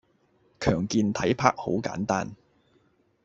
強健體魄好簡單